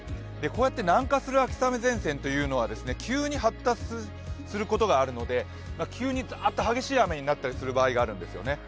こうやって南下する秋雨前線というのは急に発達することがあるので急にザッと激しい雨になったりする場合があるんですね。